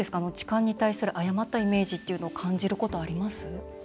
痴漢に対する誤ったイメージっていうのを感じることあります？